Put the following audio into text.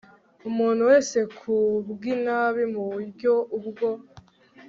Umuntu wese ku bw inabi mu buryo ubwo